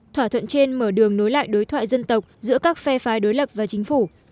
thỏa thuận trên mở đường nối lại đối thoại dân tộc giữa các phe phái đối lập và chính phủ